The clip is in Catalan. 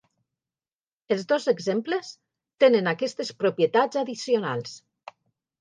Els dos exemples tenen aquestes propietats addicionals.